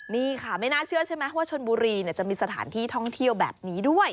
นี่ค่ะไม่น่าเชื่อใช่ไหมว่าชนบุรีจะมีสถานที่ท่องเที่ยวแบบนี้ด้วย